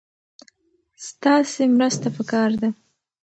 ستاسې مرسته پکار ده.